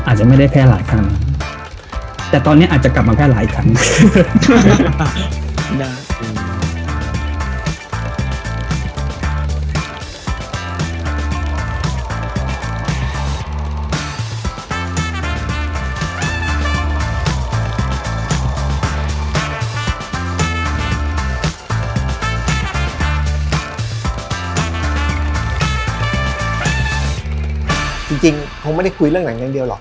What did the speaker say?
จริงเขาไม่ได้คุยเรื่องหนังอย่างเดียวหรอก